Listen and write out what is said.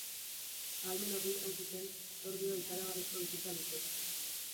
Ahalmen horri, hain zuzen, zor dio ikaragarrizko bizitza-luzera.